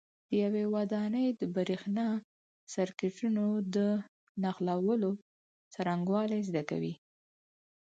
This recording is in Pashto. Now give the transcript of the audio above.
د یوې ودانۍ د برېښنا سرکټونو د نښلولو څرنګوالي زده کوئ.